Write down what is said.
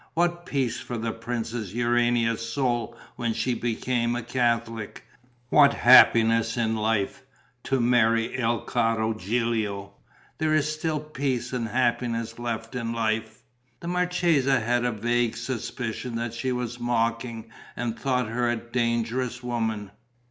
What peace for the Princess Urania's soul when she became a Catholic! What happiness in life, to marry il caro Gilio! There is still peace and happiness left in life." The marchesa had a vague suspicion that she was mocking and thought her a dangerous woman.